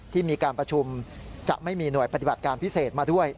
ที่มีการประชุมจะไม่มีหน่วยปฏิบัติการพิเศษมาด้วย